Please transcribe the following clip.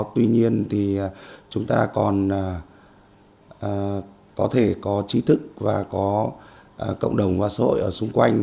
tuy nhiên thì chúng ta còn có thể có trí thức và có cộng đồng và xã hội ở xung quanh